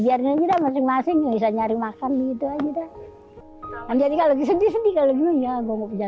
biarnya tidak masing masing bisa nyari makan gitu aja jadi kalau disediakan lebih ya gua